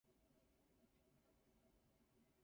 あいうえおおお